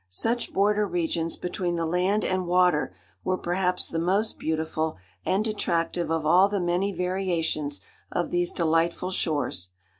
Such border regions between the land and water were perhaps the most beautiful and attractive of all the many variations of these delightful shores.